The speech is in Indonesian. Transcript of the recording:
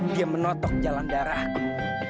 dia menotok jalan darahku